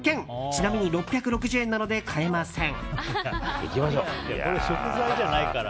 ちなみに６６０円なので買えません。